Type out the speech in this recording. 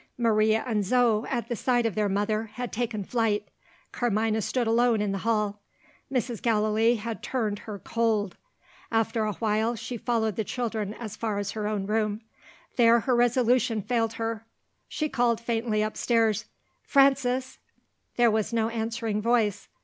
Maria and Zo, at the sight of their mother, had taken flight. Carmina stood alone in the hall. Mrs. Gallilee had turned her cold. After awhile, she followed the children as far as her own room. There, her resolution failed her. She called faintly upstairs "Frances!" There was no answering voice.